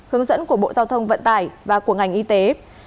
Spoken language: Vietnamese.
hướng dẫn của bộ giao thông vận tải và của ngành y tế